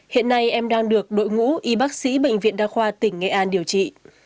hiện nay em đang được đội ngũ y bác sĩ bệnh viện đa khoa tỉnh nghệ an điều trị